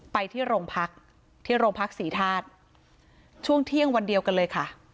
ไปที่โรงพักที่โรงพักศรีธาตุช่วงเที่ยงวันเดียวกันเลยค่ะ